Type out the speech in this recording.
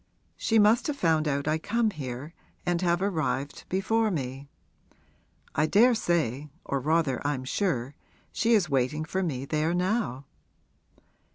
She must have found out I come here and have arrived before me. I daresay or rather I'm sure she is waiting for me there now.'